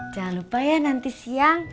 jangan lupa ya nanti siang